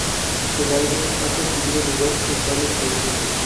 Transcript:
El álbum ha conseguido lugar en varios países.